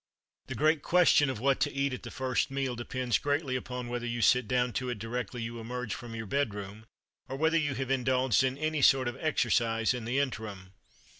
The great question of what to eat at the first meal depends greatly upon whether you sit down to it directly you emerge from your bedroom, or whether you have indulged in any sort of exercise in the interim.